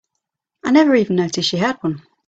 I never even noticed she had one.